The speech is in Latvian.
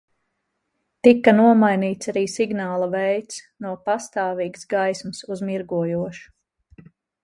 Tika nomainīts arī signāla veids, no pastāvīgas gaismas uz mirgojošu.